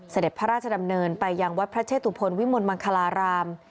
เสด็จพระราชดำเนินไปยังวัดพระเชตุพลวิมลมังคลาราม